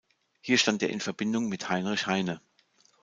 Hier stand er in Verbindung mit Heinrich Heine.